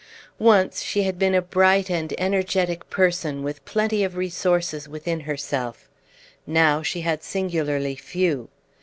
Once she had been a bright and energetic person with plenty of resources within herself; now she had singularly few.